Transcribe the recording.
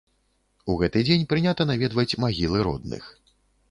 У гэты дзень прынята наведваць магілы родных.